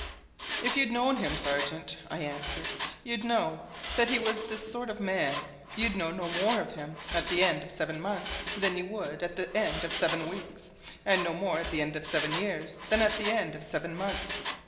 "If you'd known him, sergeant," I answered, "you'd know that he was this sort of man you'd know no more of him at the end of seven months than you would at the end of seven weeks, and no more at the end of seven years than at the end of seven months.